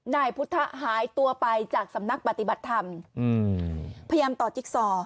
นายพุทธหายตัวไปจากสำนักปฏิบัติธรรมพยายามต่อจิ๊กซอ